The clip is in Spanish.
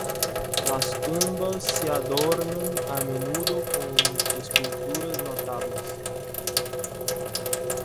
Las tumbas se adornan a menudo con esculturas notables.